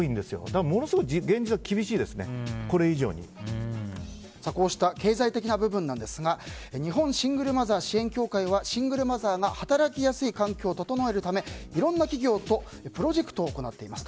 だから、ものすごくこうした経済的な部分ですが日本シングルマザー支援協会はシングルマザーが働きやすい環境を整えるためいろんな企業とプロジェクトを行っています。